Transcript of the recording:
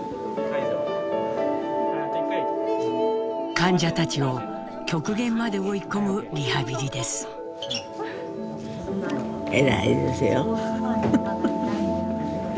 患者たちを極限まで追い込むリハビリです。え？